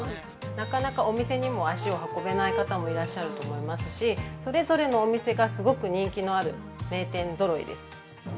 なかなかお店にも足を運べない方もいらっしゃると思いますし、それぞれのお店がすごく人気のある名店ぞろいです。